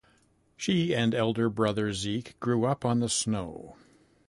She and elder brother Zeke grew up on the snow.